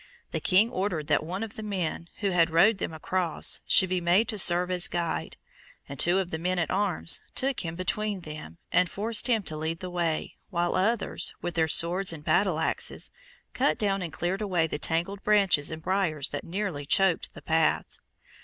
The King ordered that one of the men, who had rowed them across, should be made to serve as guide, and two of the men at arms took him between them, and forced him to lead the way, while others, with their swords and battle axes, cut down and cleared away the tangled branches and briars that nearly choked the path.